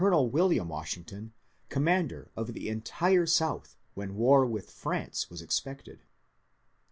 6 MONCURE DANIEL CONWAY William Washington commander of the entire South when war with France was expected.